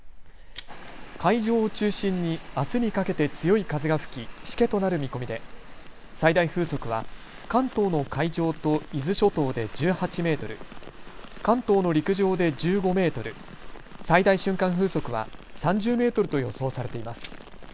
海上を中心にあすにかけて強い風が吹きしけとなる見込みで最大風速は関東の海上と伊豆諸島で１８メートル、関東の陸上で１５メートル、最大瞬間風速は３０メートルと予想されています。